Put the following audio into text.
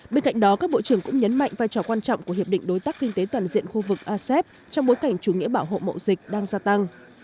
bên cạnh đó các bộ trưởng cũng nhấn mạnh vai trò quan trọng của hiệp định đối tác kinh tế toàn diện khu vực asep trong bối cảnh chủ nghĩa bảo hộ mậu dịch đang gia tăng